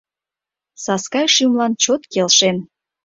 Саскай шӱмлан чот келшен: